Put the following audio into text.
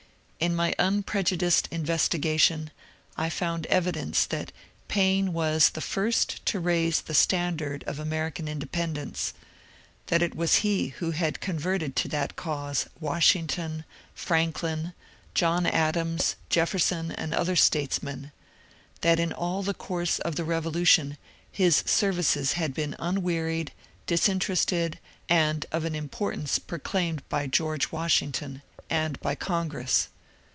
In my unprejudiced investigation I found evidence that Paine was the first to raise the standard of American independence ; that it was he who had converted to that cause Washington, Franklin, John Adams, Jefferson, and other statesmen ; that in all the course of the Revolution his services had been unwearied, disinterested, and of an im* portance proclaimed by George Washington and by Congress.